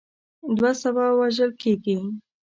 دوه سوه وژل کیږي.